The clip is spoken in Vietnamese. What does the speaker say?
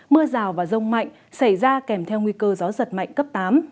mưa rào và rông mạnh xảy ra kèm theo nguy cơ gió giật mạnh cấp tám